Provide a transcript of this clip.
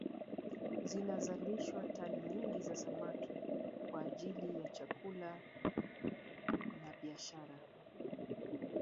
Zinazalishwa tani nyingi za samaki kwa ajili ya chakula na biashara